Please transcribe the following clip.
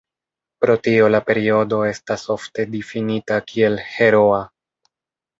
Pro tio la periodo estas ofte difinita kiel "heroa".